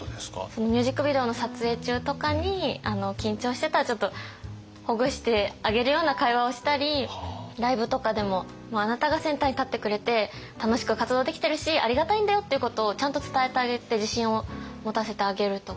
ミュージックビデオの撮影中とかに緊張してたらちょっとほぐしてあげるような会話をしたりライブとかでも「あなたがセンターに立ってくれて楽しく活動できてるしありがたいんだよ」っていうことをちゃんと伝えてあげて自信を持たせてあげるとか。